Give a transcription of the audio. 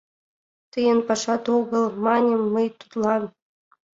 — Тыйын пашат огыл, — маньым мый тудлан.